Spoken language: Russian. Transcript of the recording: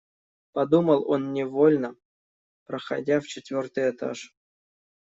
Подумал он невольно, проходя в четвертый этаж.